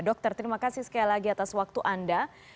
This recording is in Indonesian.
dokter terima kasih sekali lagi atas waktu anda